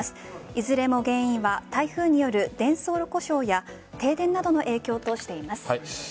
いずれも原因は台風による転送故障や停電などの影響としています。